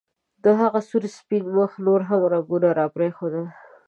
د هغه سور سپین مخ نور هم رنګونه راپرېښودل